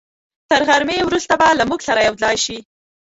تر غرمې وروسته به له موږ سره یوځای شي.